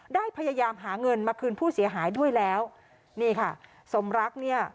ได้พยายามหาเงินมาคืนผู้เสียหายด้วยแล้วนี่ค่ะสมรักเนี่ย